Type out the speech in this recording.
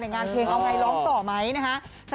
งานเพลงเอาให้ลองต่อไหมนะครับ